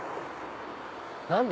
何だ？